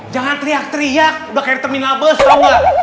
jangan teriak teriak udah kayak di terminal bus tau gak